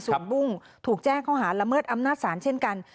ส่วนบุ้งถูกแจ้งข้อหาละเมิดอำนาจศาลเช่นกัน